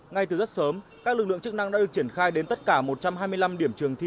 ngay từ rất sớm các lực lượng chức năng đã được triển khai đến tất cả một trăm hai mươi năm điểm trường thi